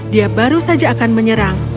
dia baru saja akan menyerang